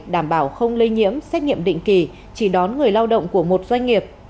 đảm bảo không lây nhiễm xét nghiệm định kỳ chỉ đón người lao động của một doanh nghiệp